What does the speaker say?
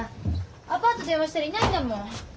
アパート電話したらいないんだもん。